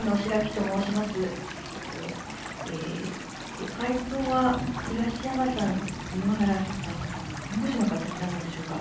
ご回答は東山さん、井ノ原さん弁護士の方になるのでしょうか。